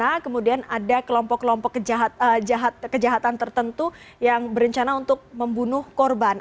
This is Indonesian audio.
ada pembunuhan yang berbunuh korban